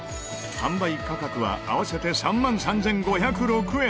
販売価格は合わせて３万３５０６円